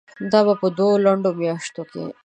دا به په دوو لنډو میاشتو کې